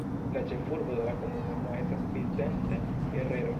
La ĉefurbo de la komunumo estas Vicente Guerrero.